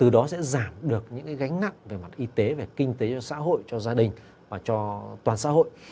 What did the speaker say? đó sẽ giảm được những gánh nặng về mặt y tế về kinh tế xã hội cho gia đình và cho toàn xã hội